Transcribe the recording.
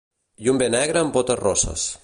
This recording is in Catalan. I un be negre amb potes rosses